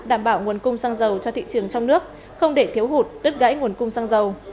đảm bảo nguồn cung xăng dầu cho thị trường trong nước không để thiếu hụt đứt gãy nguồn cung xăng dầu